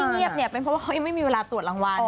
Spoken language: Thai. เงียบเนี่ยเป็นเพราะว่าเขายังไม่มีเวลาตรวจรางวัล